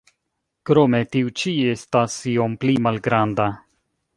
Krome tiu ĉi estas iom pli malgranda.